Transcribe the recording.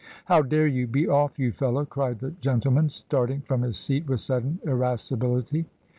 "How dare you! Be off, you fellow;" cried the gentleman, starting from his seat with sudden irasci bility.